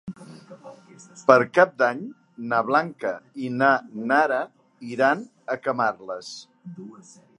Per Cap d'Any na Blanca i na Nara iran a Camarles.